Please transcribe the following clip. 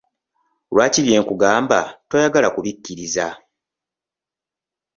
Lwaki bye nkugamba toyagala kubikkiriza?